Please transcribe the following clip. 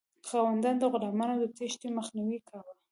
خاوندانو د غلامانو د تیښتې مخنیوی کاوه.